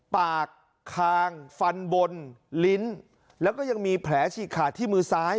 ปากคางฟันบนลิ้นแล้วก็ยังมีแผลฉีกขาดที่มือซ้าย